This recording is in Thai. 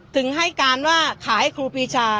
ถึงให้การว่าขายให้ครูปีชา